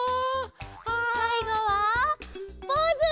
さいごはポーズ！